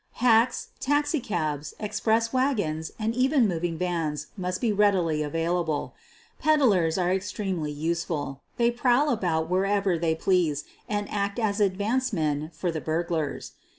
Hacks, taxicabs, express wagons, and even mov ing vans must be readily available. Peddlers are extremely useful. They prowl about wherever they QUEEN OF THE BURGLARS 193 please and act as advance men for the burglars.